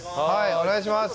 お願いします。